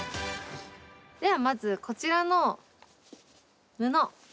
ではまず、こちらの布